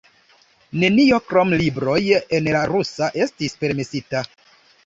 Nenio, krom libroj en la rusa, estis permesita.